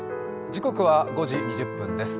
時刻は５時２０分です。